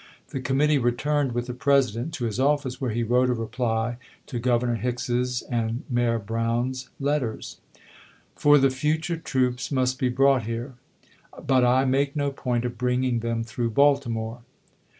The committee returned with the President to his office, where he wrote a reply to Governor Hicks's and Mayor Brown's letters : For the future troops must be brought here, but I make no point of bringing them through Baltimore.